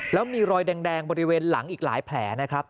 แล้วมีรอยแดงบริเวณหลังอีกหลายแผลนะครับ